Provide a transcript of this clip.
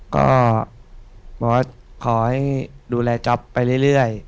ก็บอกว่าขอให้ดูแลจ๊อปไปเรื่อย